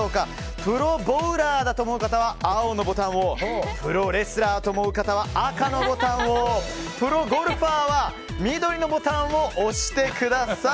プロボウラーだと思う方は青のボタンをプロレスラーと思う方は赤のボタンをプロゴルファーは緑のボタンを押してください。